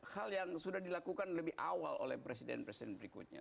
hal yang sudah dilakukan lebih awal oleh presiden presiden berikutnya